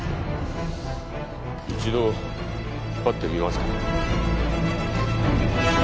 一度引っ張ってみますか。